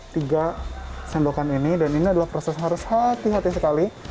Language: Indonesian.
tiga sendokan ini dan ini adalah proses harus hati hati sekali